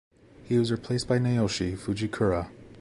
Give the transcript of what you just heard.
He was replaced by Naoshi Fujikura.